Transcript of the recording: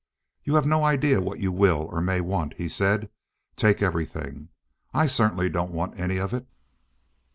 "You have no idea what you will or may want," he said. "Take everything. I certainly don't want any of it."